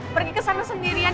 pergi kesana sendirian